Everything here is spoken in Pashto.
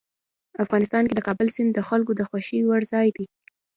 افغانستان کې د کابل سیند د خلکو د خوښې وړ ځای دی.